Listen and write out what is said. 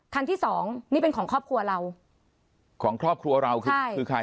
คันที่สองนี่เป็นของครอบครัวเราของครอบครัวเราคือใช่คือใคร